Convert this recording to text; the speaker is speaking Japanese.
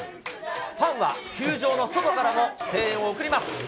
ファンは球場の外からも声援を送ります。